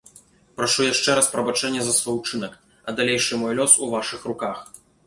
Прашу яшчэ раз прабачэння за свой учынак, а далейшы мой лёс у вашых руках.